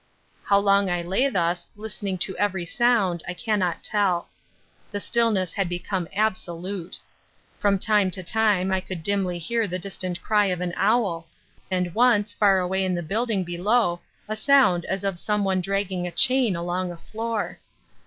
How long I lay thus listening to every sound, I cannot tell. The stillness had become absolute. From time to time I could dimly hear the distant cry of an owl, and once far away in the building below a sound as of some one dragging a chain along a floor.